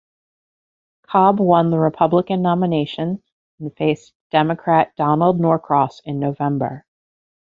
Cobb won the Republican nomination and faced Democrat Donald Norcross in November.